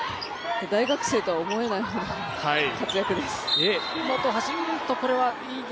大学生とは思えない活躍です。